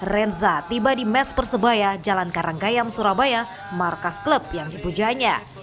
renza tiba di mes persebaya jalan karanggayam surabaya markas klub yang dipujanya